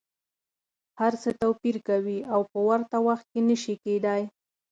هر څه توپیر کوي او په ورته وخت کي نه شي کیدای.